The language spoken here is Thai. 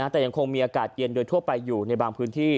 แต่ยังคงมีอากาศเย็นโดยทั่วไปอยู่ในบางพื้นที่